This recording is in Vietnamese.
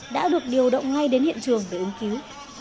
đã được điều động ngay đến hiện trường để ứng cứu